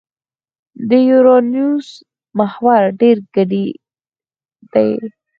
د یورانوس محور ډېر کډېر دی.